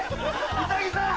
ウサギさん！